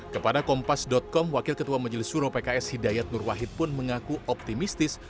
kepada kompas com wakil ketua majelis suruh pks hidayat nurwahid pun mengaku optimistis